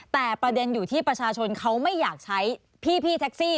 แต่ประเด็นอยู่ที่ประชาชนเขาไม่อยากใช้พี่แท็กซี่